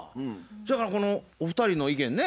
そやからこのお二人の意見ね